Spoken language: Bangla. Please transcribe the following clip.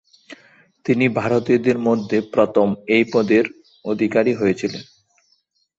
তিনি ভারতীয়দের মধ্যে প্রথম এই পদের অধিকারী হয়েছিলেন।